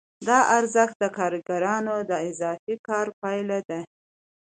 دا ارزښت د کارګرانو د اضافي کار پایله ده